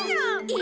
え！